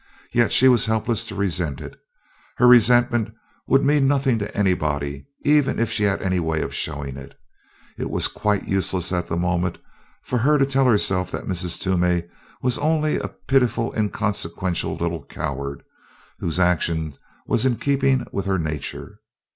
Yet she was helpless to resent it. Her resentment would mean nothing to anybody, even if she had any way of showing it. It was quite useless at the moment for her to tell herself that Mrs. Toomey was only a pitiful inconsequential little coward, whose action was in keeping with her nature.